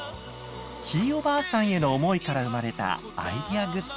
ひいおばあさんへの思いから生まれたアイデアグッズ。